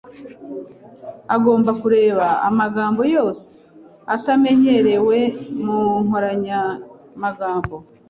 Ugomba kureba amagambo yose atamenyerewe mu nkoranyamagambo.